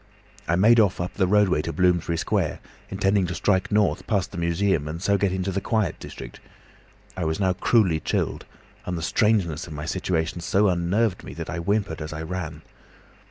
I made off up the roadway to Bloomsbury Square, intending to strike north past the Museum and so get into the quiet district. I was now cruelly chilled, and the strangeness of my situation so unnerved me that I whimpered as I ran.